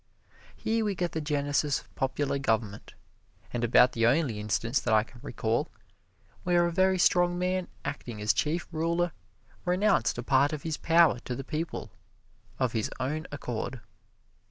Here we get the genesis of popular government, and about the only instance that I can recall where a very strong man acting as chief ruler renounced a part of his power to the people, of his own accord.